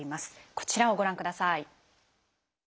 こちらをご覧ください。